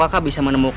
iya asal kakek